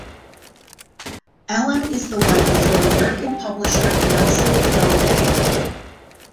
Ellen is the wife of her American publisher Nelson Doubleday.